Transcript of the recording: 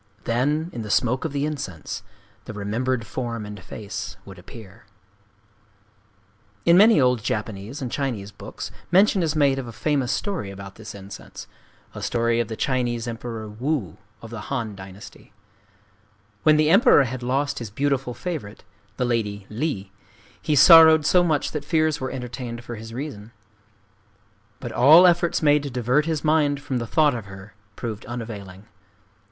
Then, in the smoke of the incense, the remembered face and form would appear. [Illustration: The Magical Incense] In many old Japanese and Chinese books mention is made of a famous story about this incense,—a story of the Chinese Emperor Wu, of the Han dynasty. When the Emperor had lost his beautiful favorite, the Lady Li, he sorrowed so much that fears were entertained for his reason. But all efforts made to divert his mind from the thought of her proved unavailing.